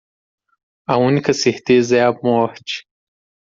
A única certeza é a morte.